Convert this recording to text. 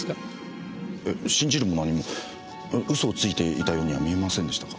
えっ信じるも何も嘘をついていたようには見えませんでしたが。